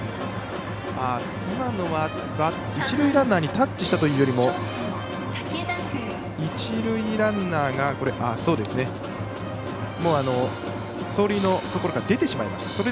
今のは一塁ランナーにタッチしたというよりも一塁ランナーが走塁のところから出てしまいました。